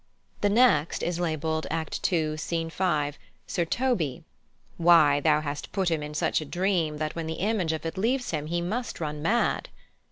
The next is labelled Act ii., Scene 5, Sir Toby, "Why, thou hast put him in such a dream that when the image of it leaves him he must run mad."